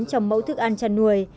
trong mẫu thức ăn chăn nuôi